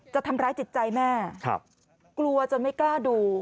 ทำร้ายจิตใจแม่กลัวจนไม่กล้าดู